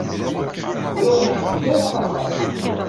Ur awen-yebni ara axxam.